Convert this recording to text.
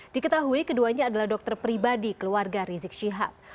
diketahui keduanya adalah dokter pribadi keluarga rizik syihab